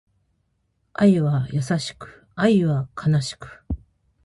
愛は優しく、愛は悲しく